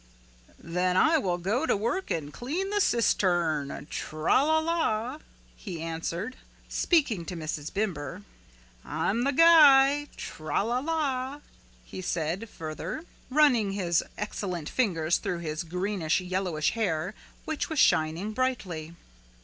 "Then I will go to work and clean the cistern, tra la la," he answered, speaking to Mrs. Bimber. "I'm the guy, tra la la," he said further, running his excellent fingers through his greenish yellowish hair which was shining brightly.